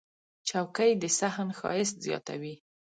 چوکۍ د صحن ښایست زیاتوي.